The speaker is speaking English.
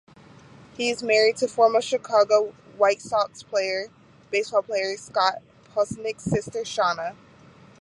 He is married to former Chicago White Sox baseball player Scott Podsednik's sister, Shana.